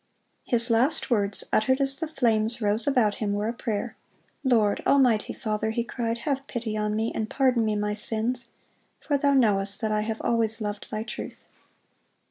His last words, uttered as the flames rose about him, were a prayer. "Lord, Almighty Father," he cried, "have pity on me, and pardon me my sins; for Thou knowest that I have always loved Thy truth."